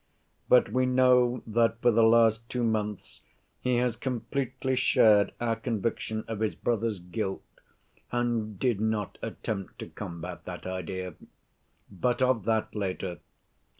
But we know that for the last two months he has completely shared our conviction of his brother's guilt and did not attempt to combat that idea. But of that later.